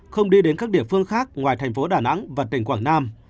không đi đến các địa phương khác ngoài thành phố đà nẵng và tỉnh quảng nam